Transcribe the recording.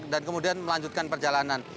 dan kemudian melanjutkan perjalanan